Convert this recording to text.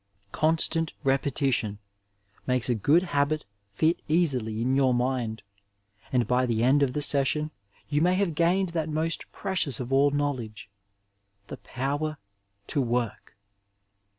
Constant repetition makes a good habit fit easily in your mind, and by the end of the session you may have gained that most precious of all knowledge — the power to work.